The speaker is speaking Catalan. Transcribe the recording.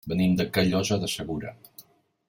Venim de Callosa de Segura.